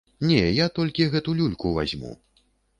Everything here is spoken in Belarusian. Не, я толькі гэту люльку вазьму.